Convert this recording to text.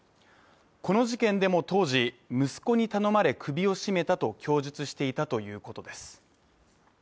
この事件でも当時、息子に頼まれ首を絞めたと供述していたということです。